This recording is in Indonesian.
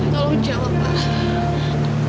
tolong jawab pak